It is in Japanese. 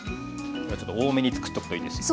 ちょっと多めに作っとくといいですよ。